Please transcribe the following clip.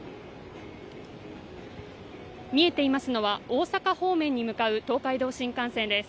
見えていますのは大阪方面に向かう東海道新幹線です。